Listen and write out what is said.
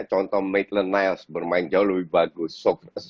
contoh maitland niles bermain jauh lebih bagus